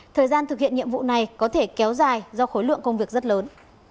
thời gian thực hiện nhiệm vụ này có thể kéo dài do khối lượng công việc rất lớn